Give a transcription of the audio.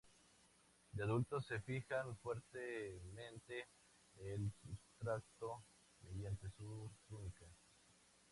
De adultos se fijan fuertemente al sustrato mediante su túnica.